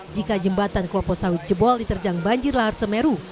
jika jembatan klopo sawit jebol diterjang banjir lahar semeru